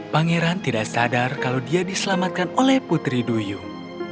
pangeran tidak sadar kalau dia diselamatkan oleh putri duyung